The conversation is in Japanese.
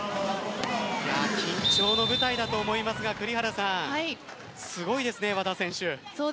緊張の舞台だと思いますが栗原さんすごいですね、和田選手。